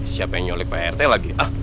siapa yang nyelek pak rete lagi